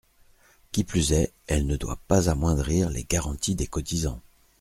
Qui plus est, elle ne doit pas amoindrir les garanties des cotisants.